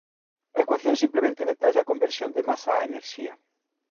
A ecuación simplemente detalla a conversión de masa a enerxía.